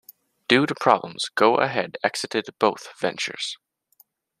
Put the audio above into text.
Due to problems, Go-Ahead exited both ventures.